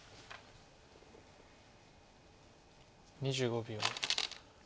２５秒。